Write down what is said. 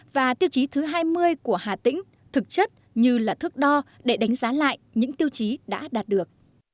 và tiêu chí thứ hai mươi của hà tĩnh thực chất như là thước đo để đánh giá lại những tiêu chí đã đạt được